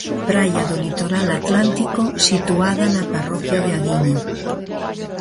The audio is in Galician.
Praia do litoral atlántico situada na parroquia de Aguiño.